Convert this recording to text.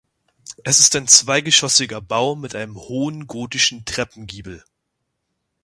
Es ist ein zweigeschossiger Bau mit einem hohen gotischen Treppengiebel.